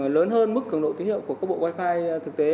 lớn hơn mức cường độ tín hiệu của các bộ wifi thực tế